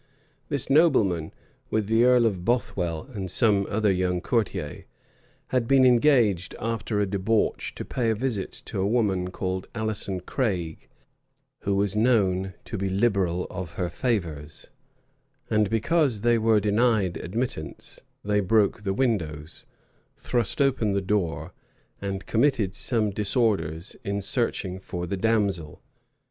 This nobleman, with the earl of Bothwell and some other young courtiers, had been engaged, after a debauch, to pay a visit to a woman called Alison Craig, who was known to be liberal of her favors; and because they were denied admittance, they broke the windows, thrust open the door, and committed some disorders in searching for the damsel.